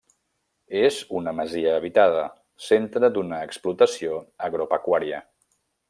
És una masia habitada, centre d'una explotació agropecuària.